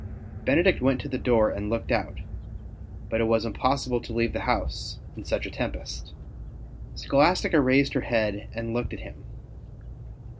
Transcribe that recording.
Benedict went to the door and looked out, but it was impossible to leave the house in such a tempest. Scholastica raised her head and looked at him.